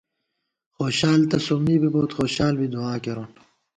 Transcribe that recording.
خوشال تہ سومّی بِبوئیت ، خوشال بی دُعا کېرون